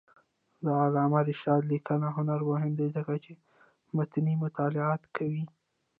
د علامه رشاد لیکنی هنر مهم دی ځکه چې متني مطالعات کوي.